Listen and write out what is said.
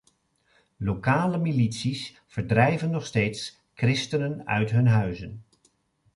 Lokale milities verdrijven nog steeds christenen uit hun huizen.